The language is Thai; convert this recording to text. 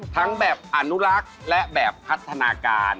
ทั้งแบบอนุรักษ์และแบบพัฒนาการ